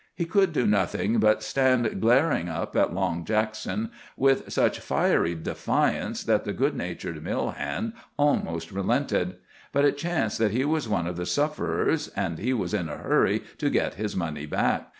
He could do nothing but stand glaring up at Long Jackson with such fiery defiance that the good natured mill hand almost relented. But it chanced that he was one of the sufferers, and he was in a hurry to get his money back.